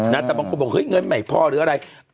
นัดตำรวมกันบอกเฮ้ยเงินใหม่พ่อหรืออะไร